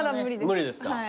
無理ですか。